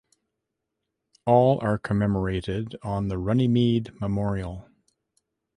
All are commemorated on the Runnymede Memorial.